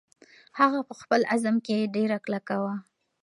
هغه په خپل عزم کې ډېره کلکه وه.